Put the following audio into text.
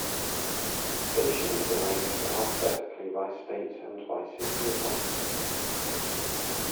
Stations arranged alphabetically by state and by city of license.